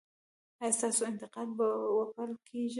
ایا ستاسو انتقاد به وپل کیږي؟